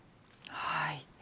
はい。